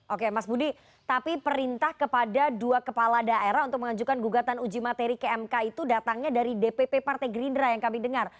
oke mas budi tapi perintah kepada dua kepala daerah untuk mengajukan gugatan uji materi ke mk itu datangnya dari dpp partai gerindra yang kami dengar